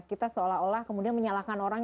kita seolah olah kemudian menyalahkan orang